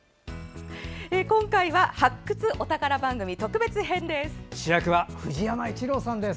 今回は「発掘！お宝番組」特別編です。